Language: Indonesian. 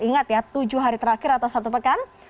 ingat ya tujuh hari terakhir atau satu pekan